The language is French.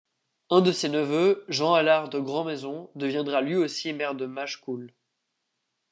Un de ses neveux, Jean Allard de Grandmaison, deviendra lui aussi maire de Machecoul.